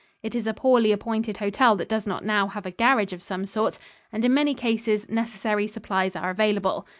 It is a poorly appointed hotel that does not now have a garage of some sort, and in many cases, necessary supplies are available.